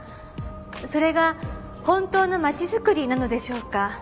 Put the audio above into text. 「それが本当の町づくりなのでしょうか」